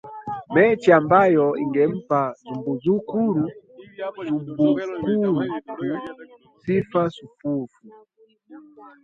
Mechi ambayo ingempa Zumbukuku sifa sufufu